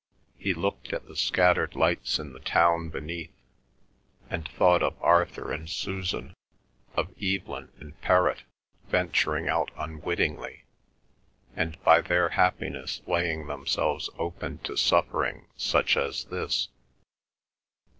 He looked at the scattered lights in the town beneath, and thought of Arthur and Susan, or Evelyn and Perrott venturing out unwittingly, and by their happiness laying themselves open to suffering such as this.